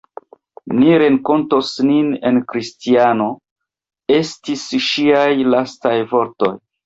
Ni renkontos nin en Kristiano, estis ŝiaj lastaj vortoj.